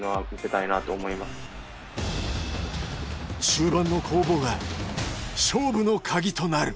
中盤の攻防が勝負の鍵となる。